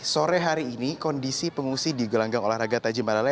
sore hari ini kondisi pengungsi di gelanggang olahraga tajimarale